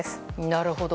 なるほど。